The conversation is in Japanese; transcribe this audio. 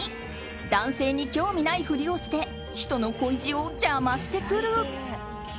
男性に興味ないふりをして人の恋路を邪魔してくる。